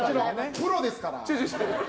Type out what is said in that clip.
プロですから。